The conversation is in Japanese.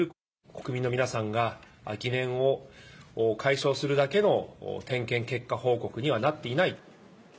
国民の皆さんが疑念を解消するだけの点検、結果報告にはなっていない。